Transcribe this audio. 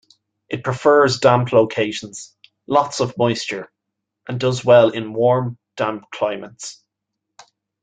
It prefers damp locations, lots of moisture, and does well in warm, damp climates.